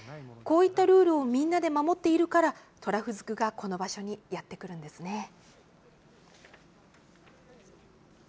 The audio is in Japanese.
こういったルールをみんなで守っているからトラフズクがこの場所にやってくるんですね。